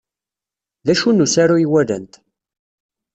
D acu n usaru ay walant?